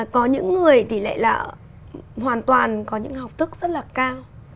có những người thì lại là hoàn toàn có những học thức rất là cao